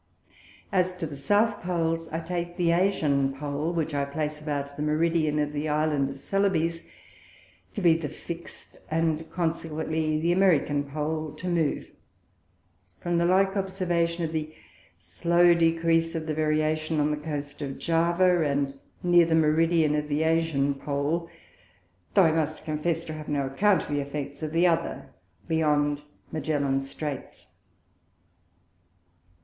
As to the South Poles, I take the Asian Pole, which I place about the Meridian of the Island Celebes to be the fixt, and consequently the American Pole to move; from the like Observation of the slow Decrease of the Variation on the Coast of Java, and near the Meridian of the Asian Pole; though I must confess to have no account of the effects of the other beyond Magellan's Streights.